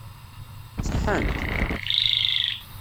Ṣeḥḥant?